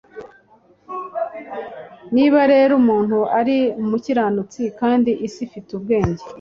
Niba rero umuntu ari umukiranutsi kandi isi ifite ubwenge